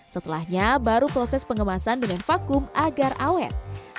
setelahnya baru proses pengemasan dengan vakum agar awet